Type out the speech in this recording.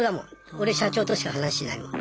俺社長としか話しないもん。